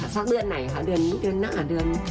ตั้งไหนค่ะเดือนหน้า